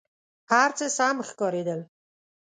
هر څه سم ښکارېدل.